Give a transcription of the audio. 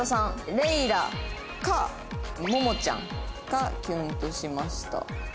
レイラかももちゃんがキュンとしました。